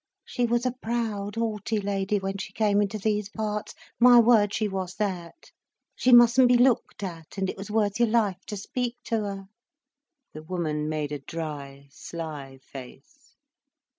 "She was a proud haughty lady when she came into these parts—my word, she was that! She mustn't be looked at, and it was worth your life to speak to her." The woman made a dry, sly face.